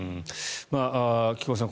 菊間さん